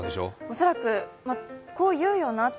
恐らく、こう言うよな。